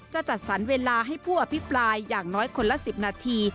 จัดสรรเวลาให้ผู้อภิปรายอย่างน้อยคนละ๑๐นาที